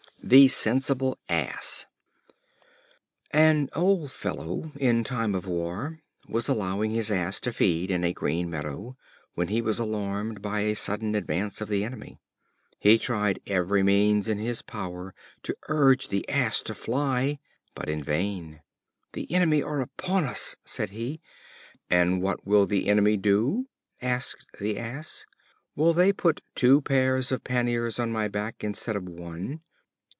The Sensible Ass. An Old Fellow, in time of war, was allowing his Ass to feed in a green meadow, when he was alarmed by a sudden advance of the enemy. He tried every means in his power to urge the Ass to fly, but in vain. "The enemy are upon us!" said he. "And what will the enemy do?" asked the Ass. "Will they put two pairs of panniers on my back, instead of one?"